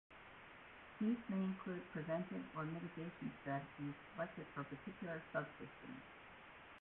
These may include preventive or mitigation strategies selected for particular subsystems.